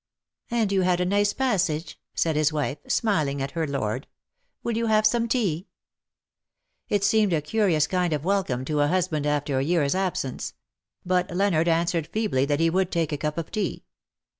'^ And you had a nice passage,^"* said his wife, smiling at her lord. " Will you have some tea ?" It seemed a curious kind of welcome to a husband after a year''s absence ; but Leonard answered feebly that he would take a cup of tea.